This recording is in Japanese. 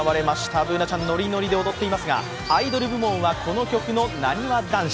Ｂｏｏｎａちゃん、ノリノリで踊っていますが、アイドル部門はこの曲のなにわ男子。